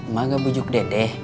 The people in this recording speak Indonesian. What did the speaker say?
mak gak bujuk dede